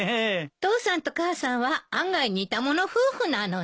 父さんと母さんは案外似た者夫婦なのね。